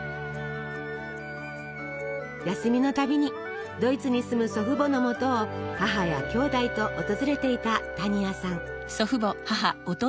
休みのたびにドイツに住む祖父母のもとを母やきょうだいと訪れていた多仁亜さん。